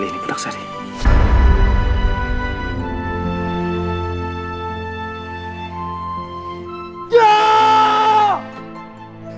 bahkan kita harus pergi ke rumah